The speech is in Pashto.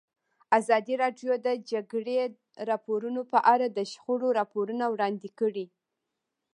ازادي راډیو د د جګړې راپورونه په اړه د شخړو راپورونه وړاندې کړي.